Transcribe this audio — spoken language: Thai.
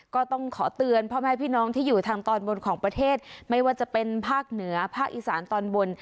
ก็ต้องขอเตือนพ่อแม่พี่น้องที่อยู่ทางตอนบนของประเทศไม่ว่าจะเป็นภาคเหนือภาคอีสานตอนบน